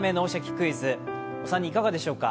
クイズ」、お三人、いかがでしょうか？